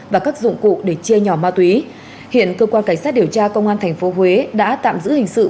và các dụng cụ để chia nhỏ ma túy hiện cơ quan cảnh sát điều tra công an tp huế đã tạm giữ hình sự